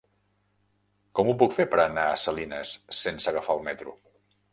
Com ho puc fer per anar a Salines sense agafar el metro?